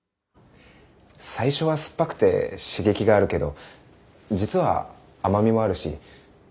最初は酸っぱくて刺激があるけど実は甘みもあるし